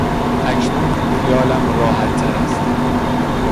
اکنون خیالم راحتتر است.